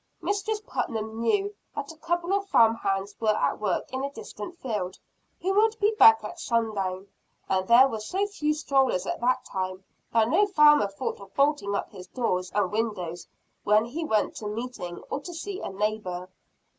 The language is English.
Mistress Putnam knew that a couple of farm hands were at work in a distant field, who would be back at sundown; and there were so few strollers at that time, that no farmer thought of bolting up his doors and windows when he went to meeting, or to see a neighbor.